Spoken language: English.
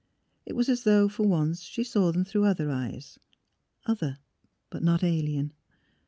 It was as though for once she saw them through other eyes — other, but not alien.